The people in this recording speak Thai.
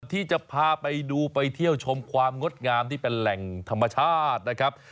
ที่จะพาไปดูไปเที่ยวชมความงดงามที่เป็นแหล่งธรรมชาตินะครับ